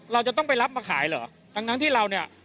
เราจะต้องไปรับมาขายเหรอทั้งทั้งที่เราเนี่ย